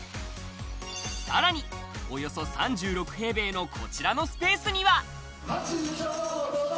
さらにおよそ３６平米のこちらのスペースには。